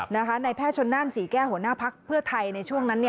ในแพทย์ชนนั่นศรีแก้โหณภักรณ์เพื่อไทยในช่วงนั้น